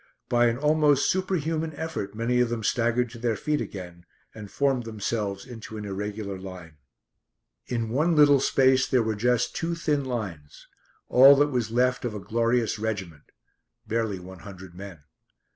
By an almost superhuman effort many of them staggered to their feet again, and formed themselves into an irregular line. In one little space there were just two thin lines all that was left of a glorious regiment (barely one hundred men).